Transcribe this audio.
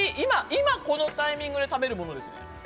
今、このタイミングで食べるものですね。